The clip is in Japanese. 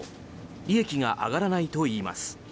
利益が上がらないといいます。